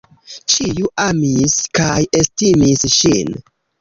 Ĉiu amis kaj estimis ŝin.